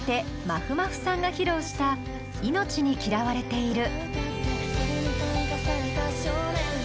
まふまふさんが披露した「命に嫌われている。」。